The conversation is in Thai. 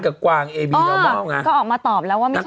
กับกว่างเอบีน้ำมองอ่ะก็ออกมาตอบแล้วว่าไม่ใช่